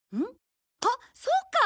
あっそっか！